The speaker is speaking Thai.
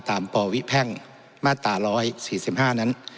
ปวิแพ่งมาตรา๑๔๕นั้น